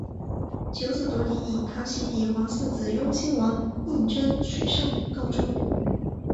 九子夺嫡以康熙帝皇四子雍亲王胤禛取胜告终。